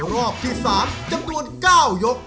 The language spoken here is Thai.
รอบที่๓จำนวน๙ยก